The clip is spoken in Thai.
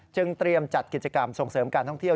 เตรียมจัดกิจกรรมส่งเสริมการท่องเที่ยว